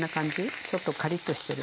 ちょっとカリッとしてる。